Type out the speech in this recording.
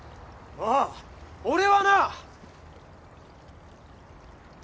ああ俺はな！